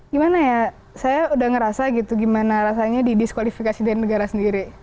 gimana ya saya udah ngerasa gitu gimana rasanya di diskualifikasi dari negara sendiri